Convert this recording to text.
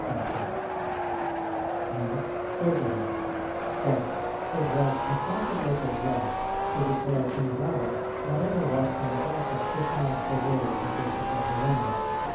"[159:1] And Sozomen: "It was a sacerdotal law, to declare invalid whatever was transacted beside the will of the Bishop of the Romans."